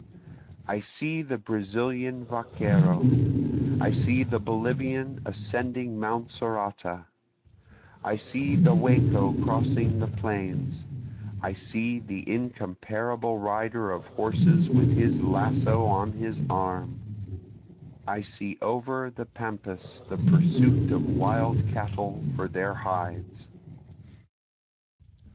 I see the Brazilian vaquero, I see the Bolivian ascending mount Sorata, I see the Wacho crossing the plains, I see the incomparable rider of horses with his lasso on his arm, I see over the pampas the pursuit of wild cattle for their hides.